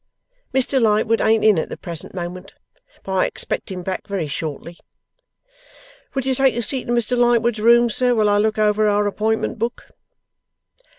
Mr Lightwood ain't in at the present moment, but I expect him back very shortly. Would you take a seat in Mr Lightwood's room, sir, while I look over our Appointment Book?